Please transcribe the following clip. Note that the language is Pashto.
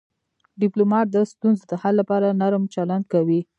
ډيپلومات د ستونزو د حل لپاره نرم چلند کوي.